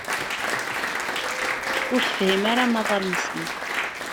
Ur tefhim ara amaḍal-nsent.